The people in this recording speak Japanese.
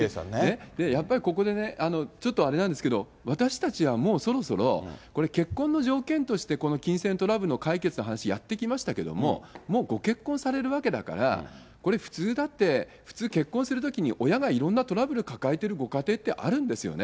やっぱりここでね、ちょっとあれなんですけど、私たちはもうそろそろ、これ、結婚の条件として、この金銭トラブルの解決の話やってきましたけども、もうご結婚されるわけだから、これ、普通、だって、結婚するときに親がいろんなトラブル抱えてるご家庭ってあるんですよね。